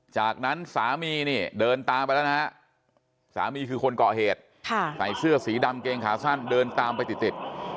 จากนั้นสามีนี่เดินตามไปแล้วนะฮะสามีคือคนก่อเหตุใส่เสื้อสีดำเกงขาสั้นเดินตามไปติด